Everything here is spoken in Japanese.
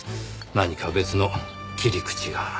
何か別の切り口が。